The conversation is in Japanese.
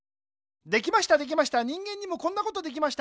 できましたできました人間にもこんなことできました。